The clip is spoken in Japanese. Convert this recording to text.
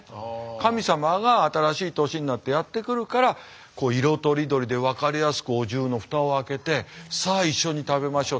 神様が新しい年になってやって来るからこう色とりどりで分かりやすくお重の蓋を開けてさあ一緒に食べましょう。